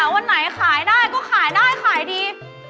วันไหนขายได้ก็ขายได้ขายดี